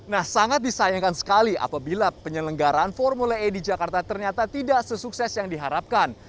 nah sangat disayangkan sekali apabila penyelenggaran formula e di jakarta ternyata tidak sesukses yang diharapkan